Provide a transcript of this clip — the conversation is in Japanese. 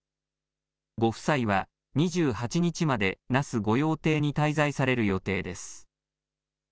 ご夫妻は２８日まで那須御用邸に滞在される予定です。